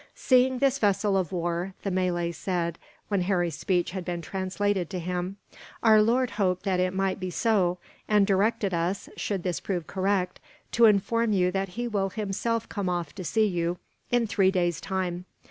"Seeing this vessel of war," the Malay said, when Harry's speech had been translated to him, "our lord hoped that it might be so; and directed us, should this prove correct, to inform you that he will himself come off to see you, in three days' time.